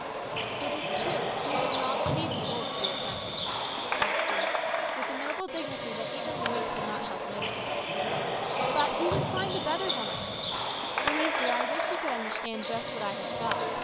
" It is true he would not see the old Stuart Duncan," replied Stuart with a noble dignity that even Louise could not help noticing, " but he would find a better one, I hope. Louise, dear, I wish you could understand just what I have felt.